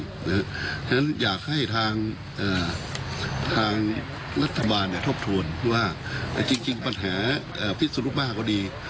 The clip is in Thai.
เพราะฉะนั้นอยากให้ทางรัฐบาลทบทวนว่าจริงปัญหาพิสุนุบ้าก็ดี